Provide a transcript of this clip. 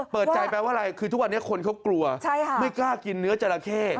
เปิดใจแปลว่าอะไรคือทุกวันนี้คนเขากลัวไม่กล้ากินเนื้อจราเข้